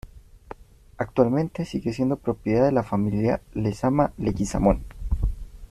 Actualmente sigue siendo propiedad de la familia Lezama-Leguizamón.